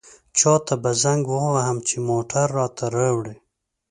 چاته به زنګ ووهم چې موټر راته راوړي.